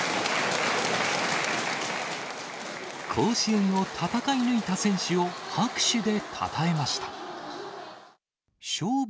甲子園を戦い抜いた選手を拍手でたたえました。